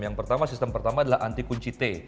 yang pertama sistem pertama adalah anti kunci t